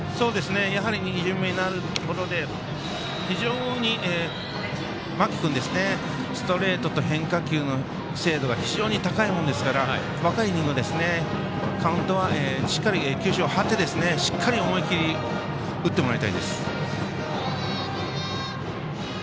やはり２巡目になることで非常に、間木君ストレートと変化球の精度が非常に高いものですから若いイニングしっかり球種を張ってしっかり思い切り打ってもらいたいです。